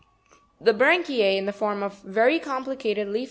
The branchie, in the form of very complicated Fig.